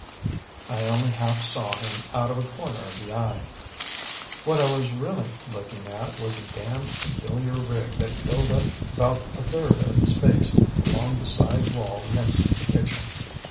I only half saw him out of a corner of the eye. What I was really looking at was a damned peculiar rig that filled up about a third of the space along the side wall next to the kitchen.